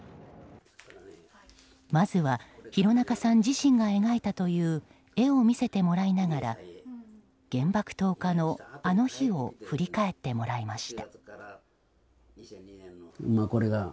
まずは廣中さん自身が描いたという絵を見せてもらいながら原爆投下のあの日を振り返ってもらいました。